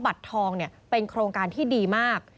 บัตรทองเป็นโครงการที่ดีมาก